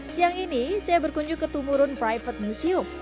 siang ini saya berkunjung ke tumurun private museum